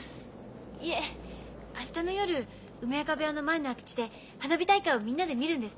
いえ明日の夜梅若部屋の前の空き地で花火大会をみんなで見るんです。